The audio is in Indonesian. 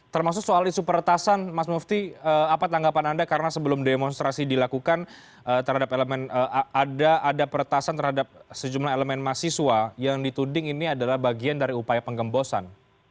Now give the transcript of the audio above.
termasuk soal isu peretasan mas mufti apa tanggapan anda karena sebelum demonstrasi dilakukan terhadap elemen ada peretasan terhadap sejumlah elemen mahasiswa yang dituding ini adalah bagian dari upaya penggembosan